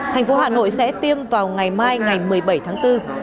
thành phố hà nội sẽ tiêm vào ngày mai ngày một mươi bảy tháng bốn